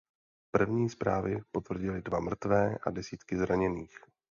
První zprávy potvrdily dva mrtvé a desítky zraněných.